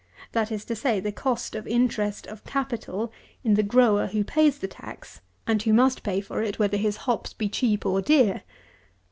That is to say, the cost of interest of capital in the grower who pays the tax, and who must pay for it, whether his hops be cheap or dear.